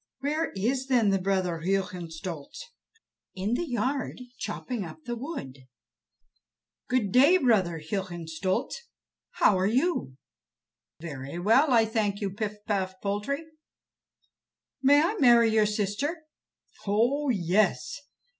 "Where is, then, the brother Hohenstolz?" "In the yard, chopping up the wood." "Good day, brother Hohenstolz. How are you?" "Very well, I thank you, Pif paf Poltrie." "May I marry your sister?" "Oh, yes!